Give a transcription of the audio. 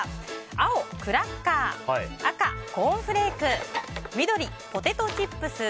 青、クラッカー赤、コーンフレーク緑、ポテトチップス。